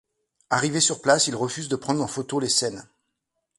Arrivé sur place, il refuse de prendre en photo les scènes.